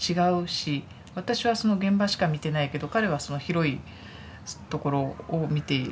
私はその現場しか見てないけど彼はその広いところを見ている。